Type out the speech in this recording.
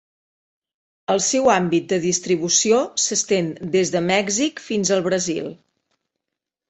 El seu àmbit de distribució s'estén des de Mèxic fins al Brasil.